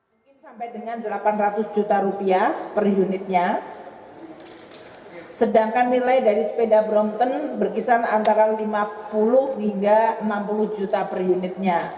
mungkin sampai dengan delapan ratus juta rupiah per unitnya sedangkan nilai dari sepeda brompton berkisar antara lima puluh hingga enam puluh juta per unitnya